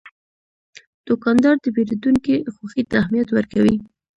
دوکاندار د پیرودونکي خوښي ته اهمیت ورکوي.